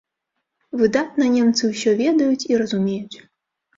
Выдатна немцы ўсё ведаюць і разумеюць.